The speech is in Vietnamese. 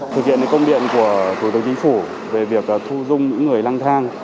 thực hiện công điện của thủ tướng chính phủ về việc thu dung những người lang thang